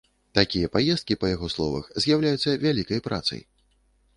Такія паездкі, па яго словах, з'яўляюцца вялікай працай.